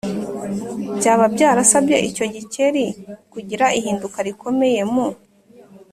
byaba byarasabye icyo gikeri kugira ihinduka rikomeye mu